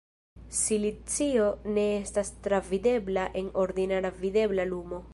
Silicio ne estas travidebla en ordinara videbla lumo.